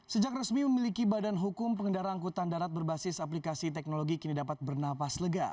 sejak resmi memiliki badan hukum pengendara angkutan darat berbasis aplikasi teknologi kini dapat bernapas lega